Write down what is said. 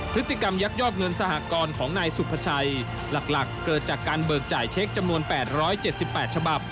พฤติกรรมยักยอกเงินสหกรณ์ของนายสุภาชัยหลักเกิดจากการเบิกจ่ายเช็คจำนวน๘๗๘ฉบับ